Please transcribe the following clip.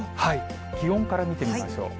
気温から見てみましょう。